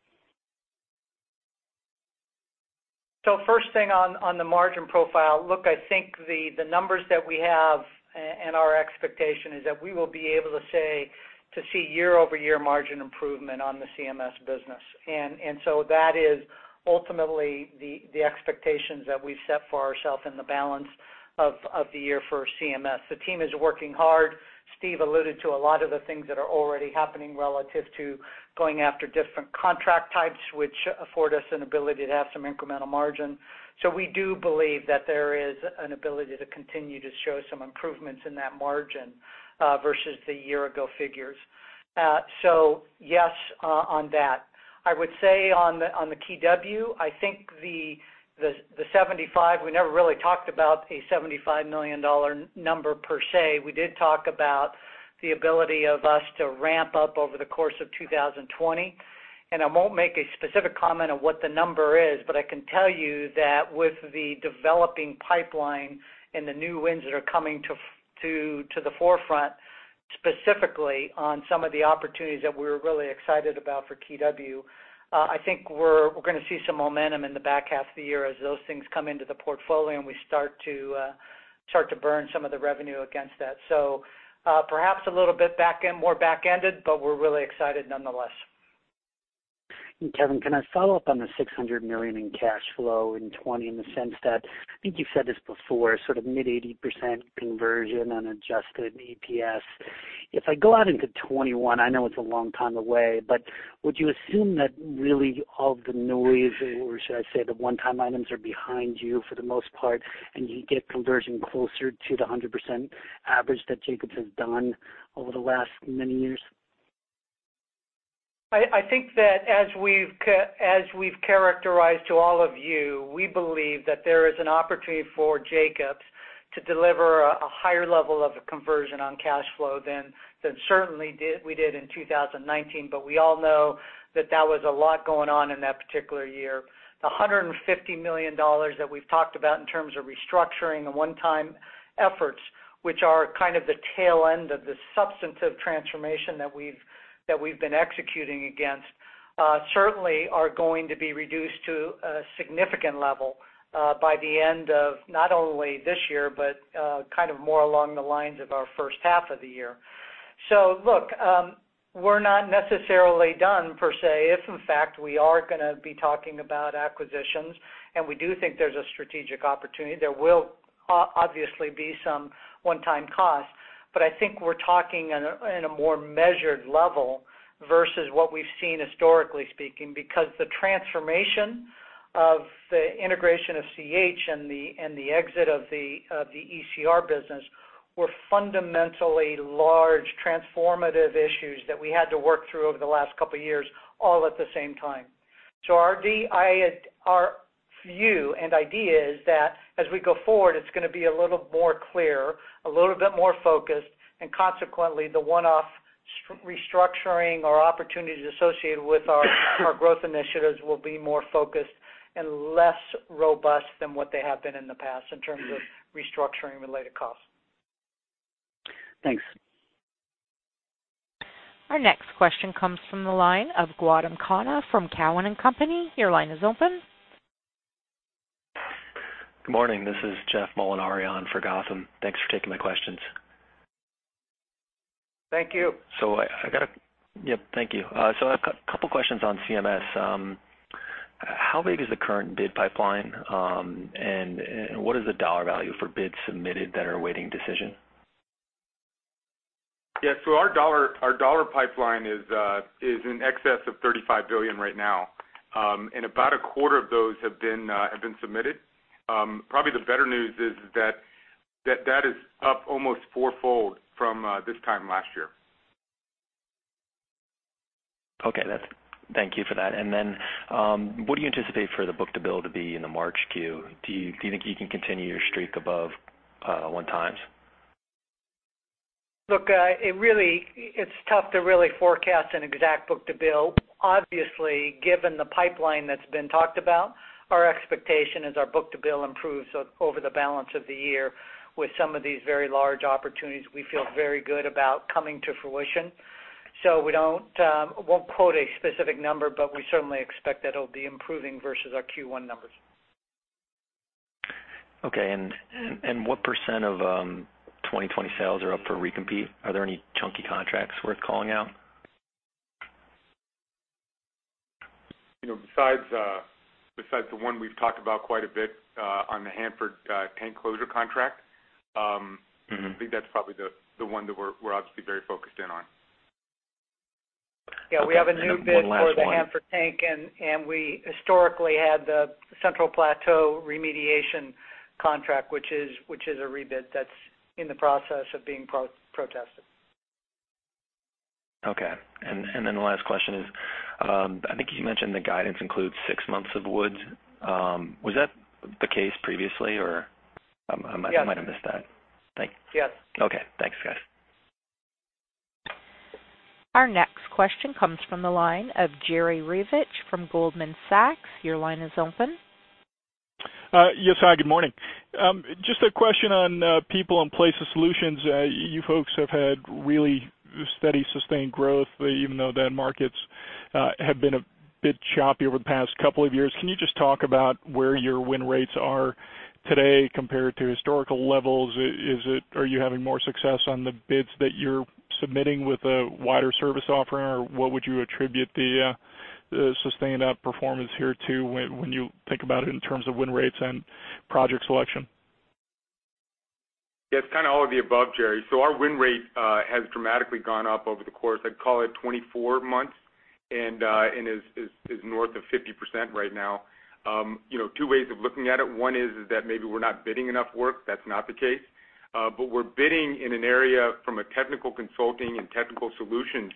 First thing on the margin profile, look, I think the numbers that we have and our expectation is that we will be able to see year-over-year margin improvement on the CMS business. That is ultimately the expectations that we've set for ourselves in the balance of the year for CMS. The team is working hard. Steve alluded to a lot of the things that are already happening relative to going after different contract types, which afford us an ability to have some incremental margin. We do believe that there is an ability to continue to show some improvements in that margin versus the year-ago figures. Yes on that. I would say on the KeyW, I think the 75, we never really talked about a $75 million number per se. We did talk about the ability of us to ramp up over the course of 2020. I won't make a specific comment on what the number is, but I can tell you that with the developing pipeline and the new wins that are coming to the forefront specifically on some of the opportunities that we were really excited about for KeyW. I think we're going to see some momentum in the back half of the year as those things come into the portfolio and we start to burn some of the revenue against that. So perhaps a little bit more back-ended, but we're really excited nonetheless. Kevin, can I follow up on the $600 million in cash flow in 2020 in the sense that I think you've said this before, sort of mid-80% conversion on adjusted EPS. If I go out into 2021, I know it's a long time away, but would you assume that really all of the noise, or should I say the one-time items are behind you for the most part, and you get conversion closer to the 100% average that Jacobs has done over the last many years? I think that as we've characterized to all of you, we believe that there is an opportunity for Jacobs to deliver a higher level of conversion on cash flow than certainly we did in 2019, but we all know that that was a lot going on in that particular year. The $150 million that we've talked about in terms of restructuring and one-time efforts, which are kind of the tail end of the substantive transformation that we've been executing against, certainly are going to be reduced to a significant level by the end of not only this year, but kind of more along the lines of our first half of the year, so look, we're not necessarily done per se if, in fact, we are going to be talking about acquisitions, and we do think there's a strategic opportunity. There will obviously be some one-time costs, but I think we're talking on a more measured level versus what we've seen historically speaking because the transformation of the integration of CH and the exit of the ECR business were fundamentally large transformative issues that we had to work through over the last couple of years all at the same time. So our view and idea is that as we go forward, it's going to be a little more clear, a little bit more focused, and consequently, the one-off restructuring or opportunities associated with our growth initiatives will be more focused and less robust than what they have been in the past in terms of restructuring-related costs. Thanks. Our next question comes from the line of Gautam Khanna from Cowen and Company. Your line is open. Good morning. This is Jeff Molinari on for Gautam. Thanks for taking my questions. Thank you. So I've got a couple of questions on CMS. How big is the current bid pipeline, and what is the dollar value for bids submitted that are awaiting decision? Yeah, so our dollar pipeline is in excess of $35 billion right now, and about a quarter of those have been submitted. Probably the better news is that that is up almost fourfold from this time last year. Okay. Thank you for that. And then what do you anticipate for the book-to-bill to be in the March quarter? Do you think you can continue your streak above one times? Look, it's tough to really forecast an exact book-to-bill. Obviously, given the pipeline that's been talked about, our expectation is our book-to-bill improves over the balance of the year with some of these very large opportunities we feel very good about coming to fruition. So we won't quote a specific number, but we certainly expect that it'll be improving versus our Q1 numbers. Okay. And what % of 2020 sales are up for recompete? Are there any chunky contracts worth calling out? Besides the one we've talked about quite a bit on the Hanford tank closure contract, I think that's probably the one that we're obviously very focused in on. Yeah, we have a new bid for the Hanford tank, and we historically had the Central Plateau remediation contract, which is a rebid that's in the process of being protested. Okay. And then the last question is, I think you mentioned the guidance includes six months of Wood's. Was that the case previously, or I might have missed that? Yes. Thank you. Yes. Okay. Thanks, guys. Our next question comes from the line of Jerry Revich from Goldman Sachs. Your line is open. Yes, hi. Good morning. Just a question on People and Places Solutions. You folks have had really steady, sustained growth, even though the markets have been a bit choppy over the past couple of years. Can you just talk about where your win rates are today compared to historical levels? Are you having more success on the bids that you're submitting with a wider service offering, or what would you attribute the sustained-up performance here to when you think about it in terms of win rates and project selection? Yeah, it's kind of all of the above, Jerry. So our win rate has dramatically gone up over the course, I'd call it 24 months, and is north of 50% right now. Two ways of looking at it. One is that maybe we're not bidding enough work. That's not the case. But we're bidding in an area from a technical consulting and technical solutions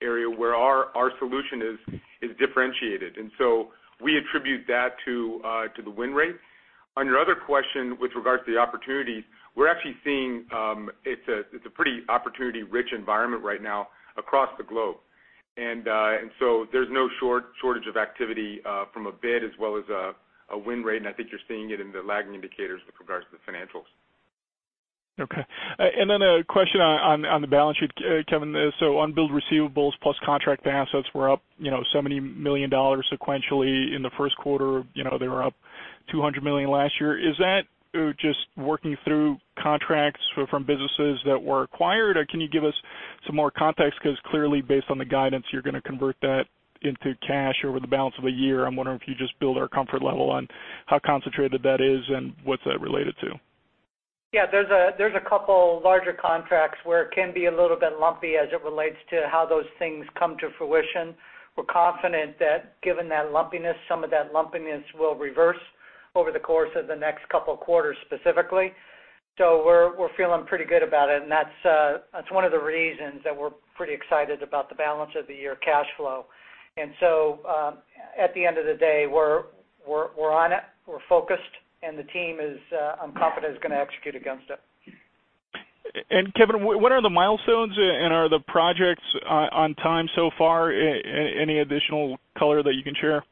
area where our solution is differentiated. And so we attribute that to the win rate. On your other question with regards to the opportunities, we're actually seeing it's a pretty opportunity-rich environment right now across the globe. And so there's no shortage of activity from a bid as well as a win rate, and I think you're seeing it in the lagging indicators with regards to the financials. Okay. And then a question on the balance sheet, Kevin. So unbilled receivables plus contract assets were up $70 million sequentially in the first quarter. They were up $200 million last year. Is that just working through contracts from businesses that were acquired, or can you give us some more context? Because clearly, based on the guidance, you're going to convert that into cash over the balance of a year. I'm wondering if you just build our comfort level on how concentrated that is and what's that related to. Yeah, there's a couple larger contracts where it can be a little bit lumpy as it relates to how those things come to fruition. We're confident that given that lumpiness, some of that lumpiness will reverse over the course of the next couple of quarters specifically. So we're feeling pretty good about it, and that's one of the reasons that we're pretty excited about the balance of the year cash flow. And so at the end of the day, we're on it. We're focused, and the team, I'm confident, is going to execute against it. And Kevin, what are the milestones, and are the projects on time so far? Any additional color that you can share?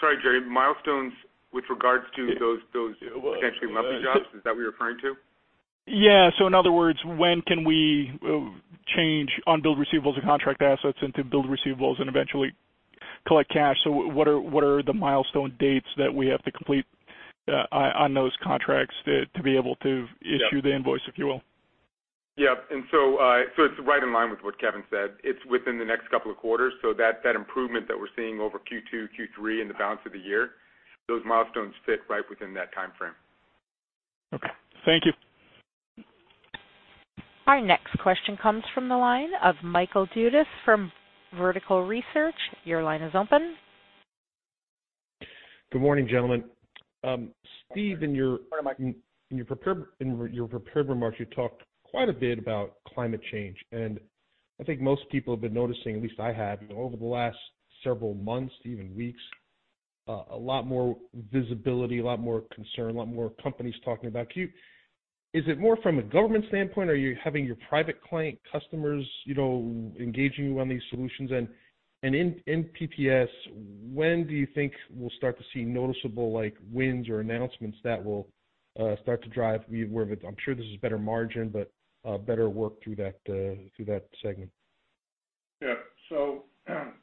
Sorry, Jerry. Milestones with regards to those potentially lumpy jobs, is that what you're referring to? Yeah. So in other words, when can we change unbilled receivables and contract assets into billed receivables and eventually collect cash? So what are the milestone dates that we have to complete on those contracts to be able to issue the invoice, if you will? Yep. And so it's right in line with what Kevin said. It's within the next couple of quarters. So that improvement that we're seeing over Q2, Q3, and the balance of the year, those milestones fit right within that timeframe. Okay. Thank you. Our next question comes from the line of Michael Dudas from Vertical Research. Your line is open. Good morning, gentlemen. Steve, in your prepared remarks, you talked quite a bit about climate change, and I think most people have been noticing, at least I have, over the last several months, even weeks, a lot more visibility, a lot more concern, a lot more companies talking about you. Is it more from a government standpoint, or are you having your private client customers engaging you on these solutions? And in PPS, when do you think we'll start to see noticeable wins or announcements that will start to drive where I'm sure this is better margin, but better work through that segment? Yeah. So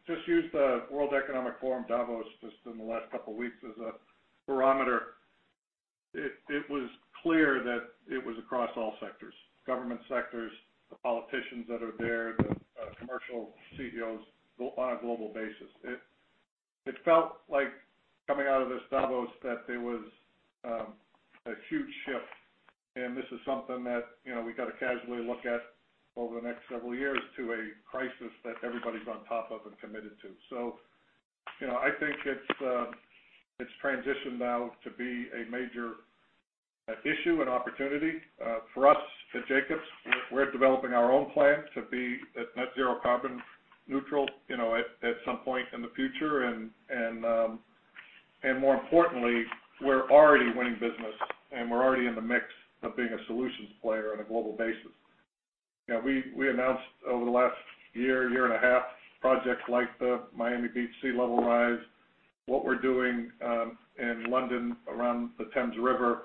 just use the World Economic Forum, Davos, just in the last couple of weeks as a barometer. It was clear that it was across all sectors: government sectors, the politicians that are there, the commercial CEOs on a global basis. It felt like, coming out of this Davos, that there was a huge shift, and this is something that we got to casually look at over the next several years to a crisis that everybody's on top of and committed to, so I think it's transitioned now to be a major issue and opportunity for us at Jacobs. We're developing our own plan to be net zero carbon neutral at some point in the future, and more importantly, we're already winning business, and we're already in the mix of being a solutions player on a global basis. We announced over the last year, year and a half, projects like the Miami Beach sea level rise, what we're doing in London around the Thames River,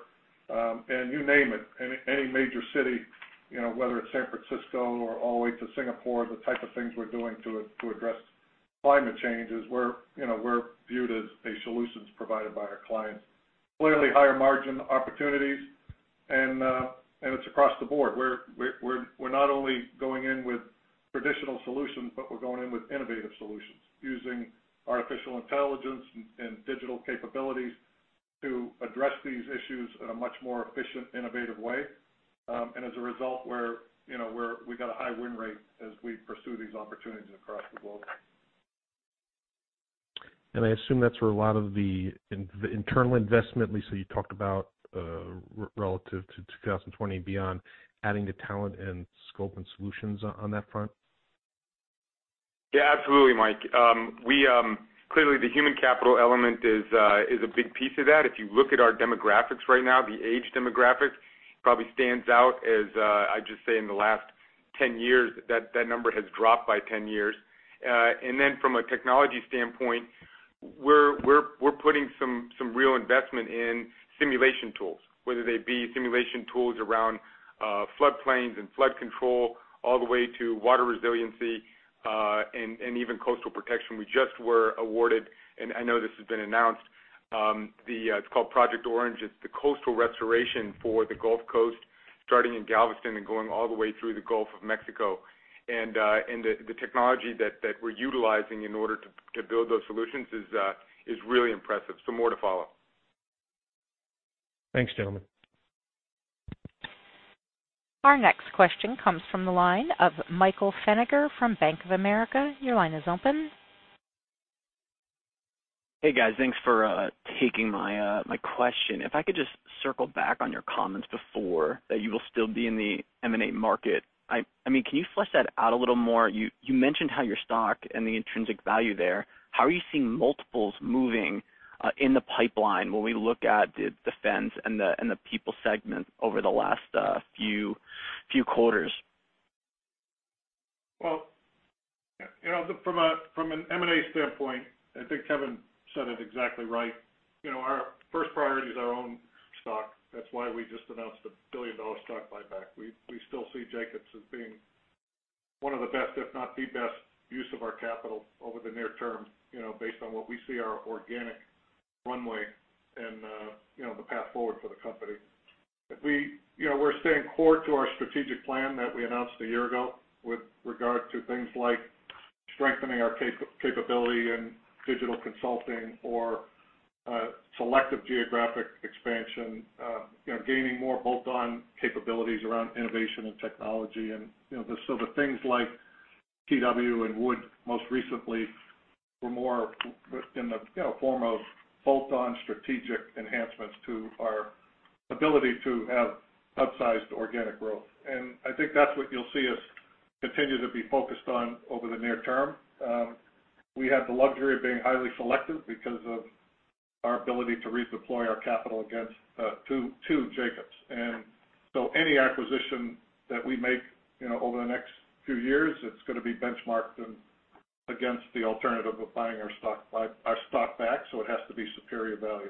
and you name it. Any major city, whether it's San Francisco or all the way to Singapore, the type of things we're doing to address climate change is where we're viewed as a solution provider by our clients. Clearly, higher margin opportunities, and it's across the board. We're not only going in with traditional solutions, but we're going in with innovative solutions using artificial intelligence and digital capabilities to address these issues in a much more efficient, innovative way. And as a result, we've got a high win rate as we pursue these opportunities across the globe. And I assume that's where a lot of the internal investment, at least that you talked about relative to 2020 and beyond, adding the talent and scope and solutions on that front? Yeah, absolutely, Mike. Clearly, the human capital element is a big piece of that. If you look at our demographics right now, the age demographic probably stands out as I just said in the last 10 years, that number has dropped by 10 years. And then from a technology standpoint, we're putting some real investment in simulation tools, whether they be simulation tools around floodplains and flood control all the way to water resiliency and even coastal protection. We just were awarded, and I know this has been announced, it's called Project Orange. It's the coastal restoration for the Gulf Coast starting in Galveston and going all the way through the Gulf of Mexico. And the technology that we're utilizing in order to build those solutions is really impressive. So more to follow. Thanks, gentlemen. Our next question comes from the line of Michael Feniger from Bank of America. Your line is open. Hey, guys. Thanks for taking my question. If I could just circle back on your comments before that, you will still be in the M&A market. I mean, can you flesh that out a little more? You mentioned how your stock and the intrinsic value there. How are you seeing multiples moving in the pipeline when we look at the defense and the people segment over the last few quarters? Well, from an M&A standpoint, I think Kevin said it exactly right. Our first priority is our own stock. That's why we just announced a $1 billion stock buyback. We still see Jacobs as being one of the best, if not the best, use of our capital over the near term based on what we see our organic runway and the path forward for the company. We're staying core to our strategic plan that we announced a year ago with regard to things like strengthening our capability and digital consulting or selective geographic expansion, gaining more bolt-on capabilities around innovation and technology, and so the things like KeyW and Wood most recently were more in the form of bolt-on strategic enhancements to our ability to have outsized organic growth, and I think that's what you'll see us continue to be focused on over the near term. We had the luxury of being highly selective because of our ability to redeploy our capital back to Jacobs, and so any acquisition that we make over the next few years, it's going to be benchmarked against the alternative of buying our stock back, so it has to be superior value.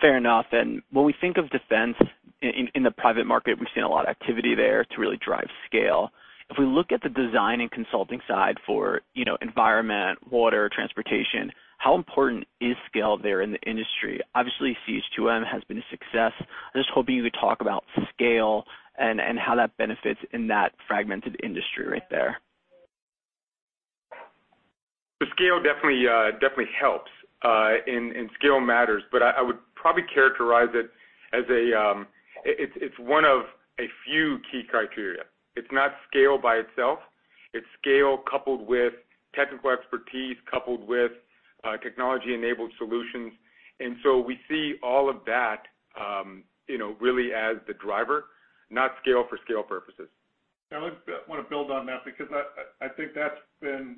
Fair enough. And when we think of defense in the private market, we've seen a lot of activity there to really drive scale. If we look at the design and consulting side for environment, water, transportation, how important is scale there in the industry? Obviously, CH2M has been a success. I'm just hoping you could talk about scale and how that benefits in that fragmented industry right there. The scale definitely helps, and scale matters, but I would probably characterize it as it's one of a few key criteria. It's not scale by itself. It's scale coupled with technical expertise, coupled with technology-enabled solutions. And so we see all of that really as the driver, not scale for scale purposes. I want to build on that because I think that's been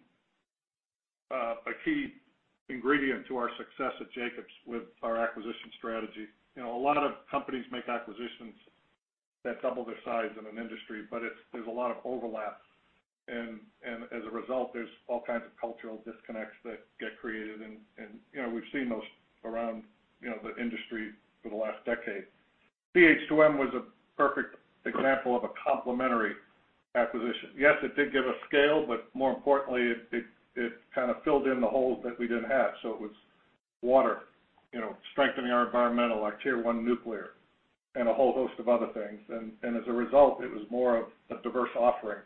a key ingredient to our success at Jacobs with our acquisition strategy. A lot of companies make acquisitions that double their size in an industry, but there's a lot of overlap. And as a result, there's all kinds of cultural disconnects that get created, and we've seen those around the industry for the last decade. CH2M was a perfect example of a complementary acquisition. Yes, it did give us scale, but more importantly, it kind of filled in the holes that we didn't have. So it was water, strengthening our environmental Tier 1 nuclear, and a whole host of other things. And as a result, it was more of a diverse offering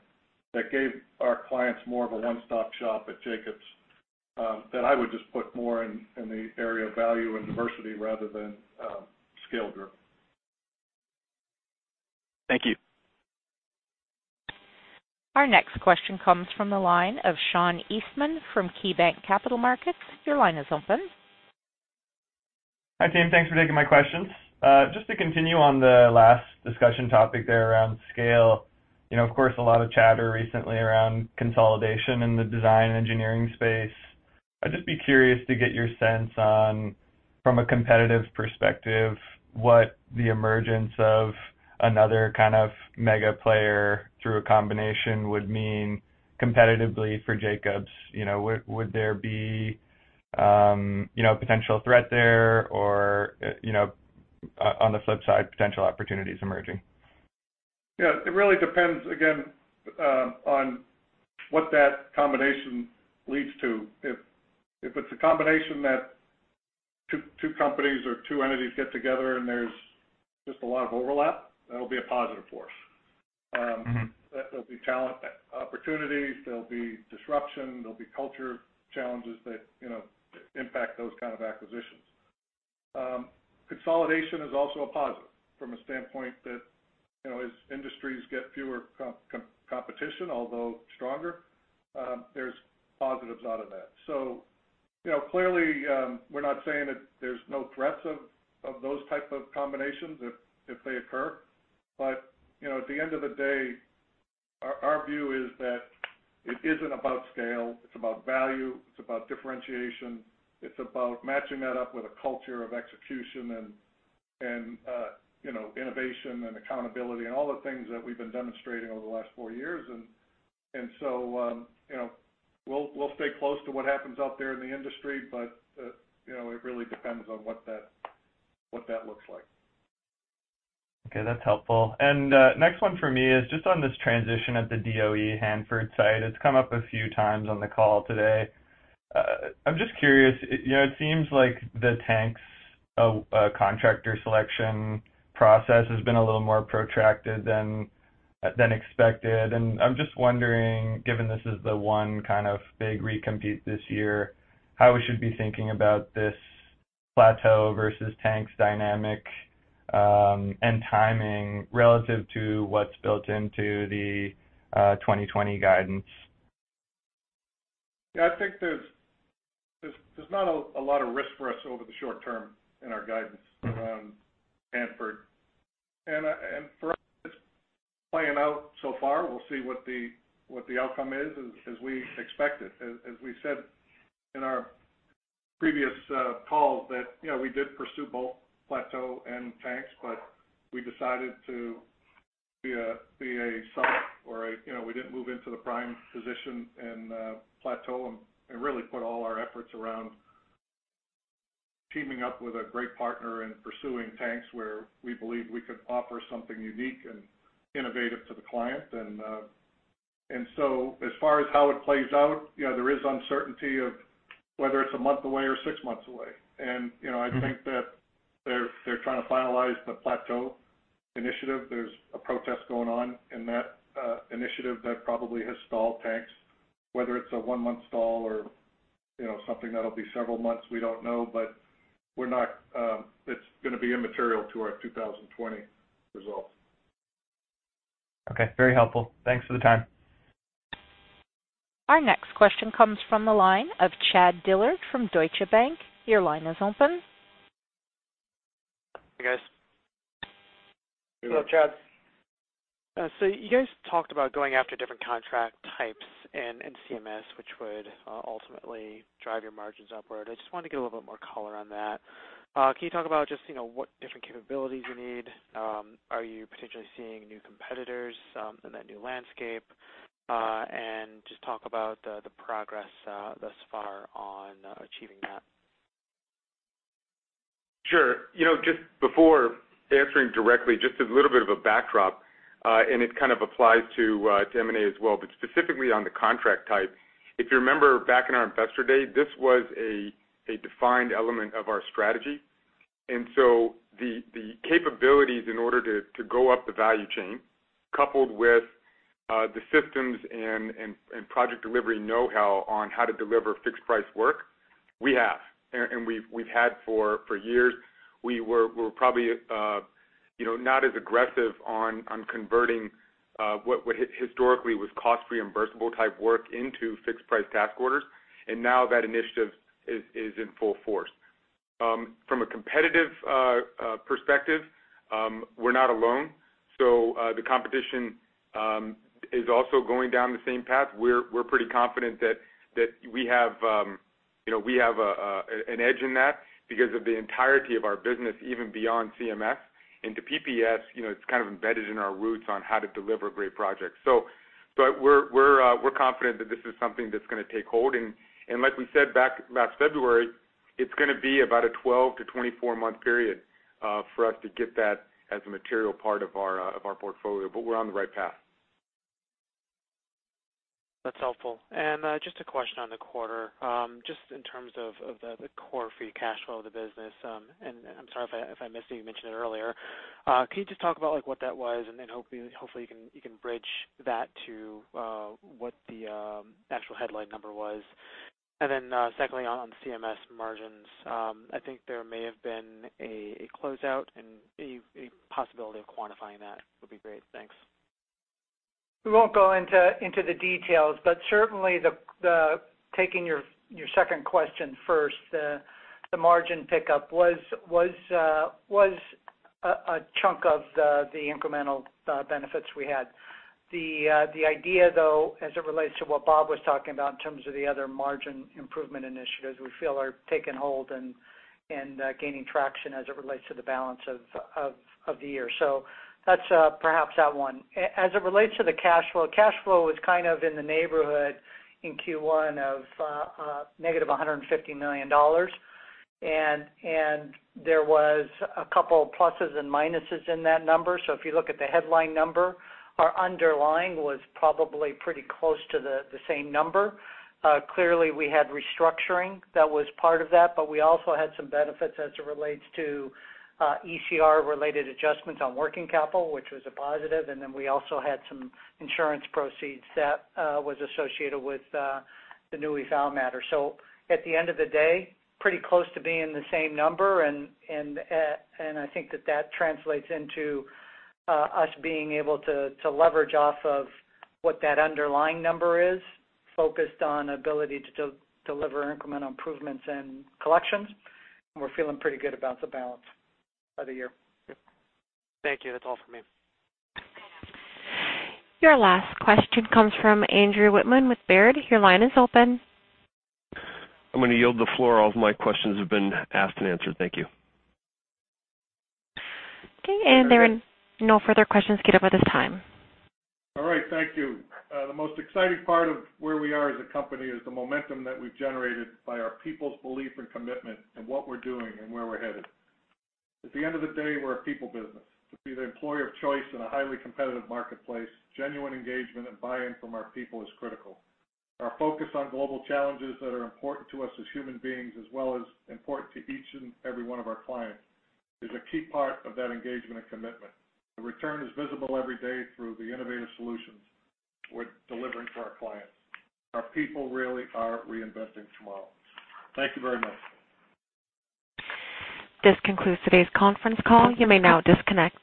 that gave our clients more of a one-stop shop at Jacobs that I would just put more in the area of value and diversity rather than scale group. Thank you. Our next question comes from the line of Sean Eastman from KeyBanc Capital Markets. Your line is open. Hi, team. Thanks for taking my questions. Just to continue on the last discussion topic there around scale, of course, a lot of chatter recently around consolidation in the design and engineering space. I'd just be curious to get your sense on, from a competitive perspective, what the emergence of another kind of mega player through a combination would mean competitively for Jacobs. Would there be a potential threat there or, on the flip side, potential opportunities emerging? Yeah. It really depends, again, on what that combination leads to. If it's a combination that two companies or two entities get together and there's just a lot of overlap, that'll be a positive force. There'll be talent opportunities. There'll be disruption. There'll be culture challenges that impact those kinds of acquisitions. Consolidation is also a positive from a standpoint that as industries get fewer competition, although stronger, there's positives out of that. So clearly, we're not saying that there's no threats of those types of combinations if they occur. But at the end of the day, our view is that it isn't about scale. It's about value. It's about differentiation. It's about matching that up with a culture of execution and innovation and accountability and all the things that we've been demonstrating over the last four years. And so we'll stay close to what happens out there in the industry, but it really depends on what that looks like. Okay. That's helpful. And next one for me is just on this transition at the DOE Hanford side. It's come up a few times on the call today. I'm just curious. It seems like the tanks contractor selection process has been a little more protracted than expected. And I'm just wondering, given this is the one kind of big recompete this year, how we should be thinking about this plateau versus tanks dynamic and timing relative to what's built into the 2020 guidance. Yeah. I think there's not a lot of risk for us over the short term in our guidance around Hanford. And for us, it's playing out so far. We'll see what the outcome is as we expect it. As we said in our previous calls, we did pursue both plateau and tanks, but we decided to be a sub or we didn't move into the prime position in plateau and really put all our efforts around teaming up with a great partner and pursuing tanks where we believe we could offer something unique and innovative to the client. And so as far as how it plays out, there is uncertainty of whether it's a month away or six months away. And I think that they're trying to finalize the plateau initiative. There's a protest going on in that initiative that probably has stalled tanks, whether it's a one-month stall or something that'll be several months, we don't know, but it's going to be immaterial to our 2020 results. Okay. Very helpful. Thanks for the time. Our next question comes from the line of Chad Dillard from Deutsche Bank. Your line is open. Hey, guys. Hello, Chad. So you guys talked about going after different contract types in CMS, which would ultimately drive your margins upward. I just wanted to get a little bit more color on that. Can you talk about just what different capabilities you need? Are you potentially seeing new competitors in that new landscape? And just talk about the progress thus far on achieving that. Sure. Just before answering directly, just a little bit of a backdrop, and it kind of applies to M&A as well, but specifically on the contract type. If you remember back in our investor day, this was a defined element of our strategy. And so the capabilities in order to go up the value chain, coupled with the systems and project delivery know-how on how to deliver fixed-price work, we have. And we've had for years. We were probably not as aggressive on converting what historically was cost-reimbursable type work into fixed-price task orders. And now that initiative is in full force. From a competitive perspective, we're not alone. So the competition is also going down the same path. We're pretty confident that we have an edge in that because of the entirety of our business, even beyond CMS. And to PPS, it's kind of embedded in our roots on how to deliver great projects. So we're confident that this is something that's going to take hold. And like we said last February, it's going to be about a 12 month- to 24-month period for us to get that as a material part of our portfolio, but we're on the right path. That's helpful. And just a question on the quarter, just in terms of the core free cash flow of the business, and I'm sorry if I missed it. You mentioned it earlier. Can you just talk about what that was? And then hopefully, you can bridge that to what the actual headline number was. And then secondly, on CMS margins, I think there may have been a closeout, and a possibility of quantifying that would be great. Thanks. We won't go into the details, but certainly, taking your second question first, the margin pickup was a chunk of the incremental benefits we had. The idea, though, as it relates to what Bob was talking about in terms of the other margin improvement initiatives, we feel are taking hold and gaining traction as it relates to the balance of the year. So that's perhaps that one. As it relates to the cash flow, cash flow was kind of in the neighborhood in Q1 of -$150 million. And there were a couple of pluses and minuses in that number. So if you look at the headline number, our underlying was probably pretty close to the same number. Clearly, we had restructuring that was part of that, but we also had some benefits as it relates to ECR-related adjustments on working capital, which was a positive. And then we also had some insurance proceeds that were associated with the Nulife matter. So at the end of the day, pretty close to being the same number. And I think that that translates into us being able to leverage off of what that underlying number is, focused on ability to deliver incremental improvements and collections. And we're feeling pretty good about the balance of the year. Thank you. That's all for me. Your last question comes from Andrew Wittmann with Baird. Your line is open. I'm going to yield the floor. All of my questions have been asked and answered. Thank you. Okay. And there are no further questions at this time. All right. Thank you. The most exciting part of where we are as a company is the momentum that we've generated by our people's belief and commitment and what we're doing and where we're headed. At the end of the day, we're a people business. To be the employer of choice in a highly competitive marketplace, genuine engagement and buy-in from our people is critical. Our focus on global challenges that are important to us as human beings as well as important to each and every one of our clients is a key part of that engagement and commitment. The return is visible every day through the innovative solutions we're delivering for our clients. Our people really are reinventing tomorrow. Thank you very much. This concludes today's conference call. You may now disconnect.